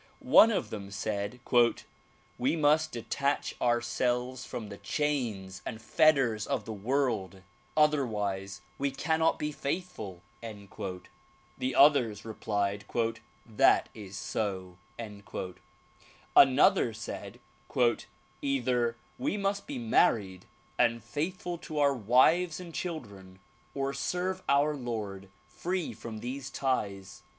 One of them said "We must detach ourselves from the chains and fetters of the world; otherwise we cannot be faithful." The others 70 THE PROMULGATION OF UNIVERSAL PEACE replied "That is so." Another said "Either we must be married and faithful to our wives and children or serve our Lord free from these ties.